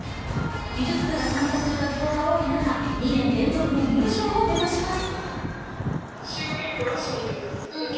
美術部が参加する学校が多い中、２年連続の入賞を目指します。